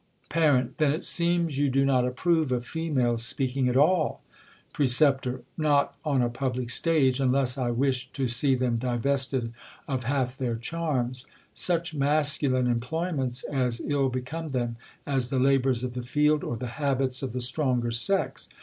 Par, Then it seems you do not ajlprove of females speaking at all ? Precep, Not on a public stage, unless I wished to see them divested of half their charius. Such mascu line employments as ill become them, as the labours of the field, or the habits of the stronger sex.